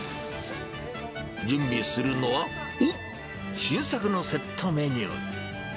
準備するのは、おっ、新作のセットメニュー。